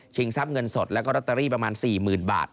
ทรัพย์เงินสดแล้วก็ลอตเตอรี่ประมาณ๔๐๐๐บาท